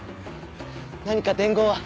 何か伝言は？